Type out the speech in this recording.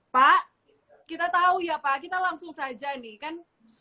pak kita tahu ya pak kita langsung saja nih kan